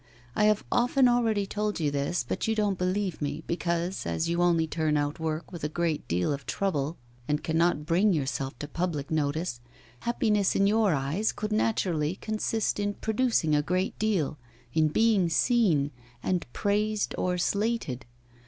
I have often already told you this, but you don't believe me, because, as you only turn out work with a deal of trouble and cannot bring yourself to public notice, happiness in your eyes could naturally consist in producing a great deal, in being seen, and praised or slated.